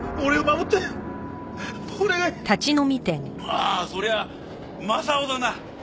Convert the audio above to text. ああそりゃ雅夫だな。